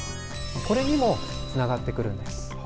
これにもつながってくるんです。